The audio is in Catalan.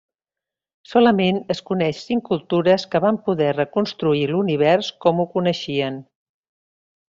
Solament es coneixen cinc cultures que van poder reconstruir l'univers com ho coneixien.